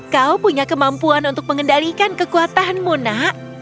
kau punya kemampuan untuk mengendalikan kekuatanmu nak